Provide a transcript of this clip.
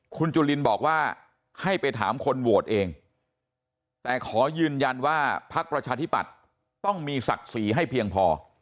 คุณจุลินบอกว่าให้ไปถามคนโหวตเองแต่ขอยืนยันว่าพักประชาธิปัตย์ต้องมีศักดิ์ศรีให้เพียงพอ